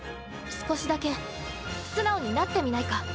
少しだけ素直になってみないか？